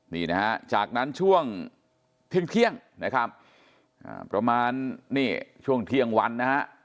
นี่นะฮะจากนั้นช่วงเที่ยงนะครับประมาณนี่ช่วงเที่ยงวันนะฮะ